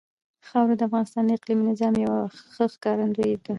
خاوره د افغانستان د اقلیمي نظام یوه ښه ښکارندوی ده.